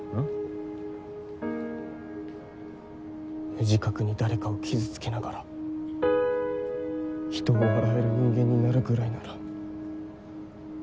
無自覚に誰かを傷つけながら人を笑える人間になるぐらいなら。